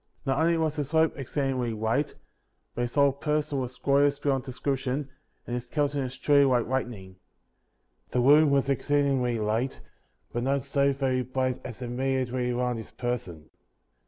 32. Not only was his robe exceedingly white, but his whole person was glorious beyond description, and his countenance truly like lightning. The room was exceedingly light, but not so very bright as immediately around his person.